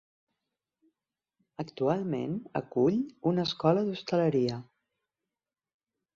Actualment acull una escola d'hostaleria.